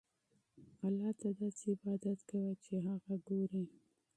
الله ته داسې عبادت کوه چې هغه ګورې.